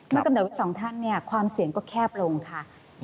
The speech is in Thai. เมื่อกำหนดไว้๒ท่านความเสี่ยงก็แคบลงค่ะ